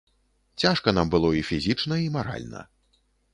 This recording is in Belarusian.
Цяжка нам было і фізічна і маральна.